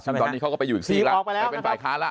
ซึ่งตอนนี้เขาก็ไปอยู่อีกสิบแล้วถีบออกไปแล้วนะครับเป็นปลายค้าล่ะ